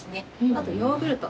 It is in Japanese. あとヨーグルト。